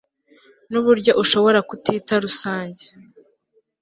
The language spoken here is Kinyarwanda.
nuburyo ushobora kutita rusange